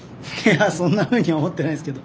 そんなふうに思っていないですけど。